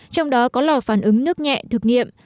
trong đó có lò phản ứng nước nhẹ thực nghiệm